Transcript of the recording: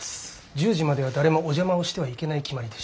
１０時までは誰もお邪魔をしてはいけない決まりでして。